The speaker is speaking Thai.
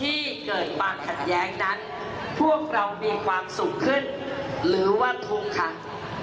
ที่เกิดความขัดแย้งนั้นพวกเรามีความสุขขึ้นหรือว่าทุกข์ค่ะ